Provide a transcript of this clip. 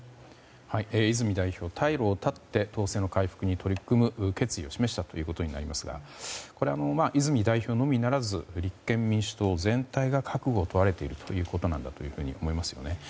泉代表、退路を断って党勢の回復に取り組む決意を示したことになりますが泉代表のみならず立憲民主党全体が覚悟を問われているということだと思いますね。